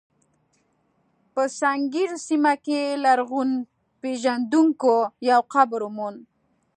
په سنګیر سیمه کې لرغونپېژندونکو یو قبر وموند.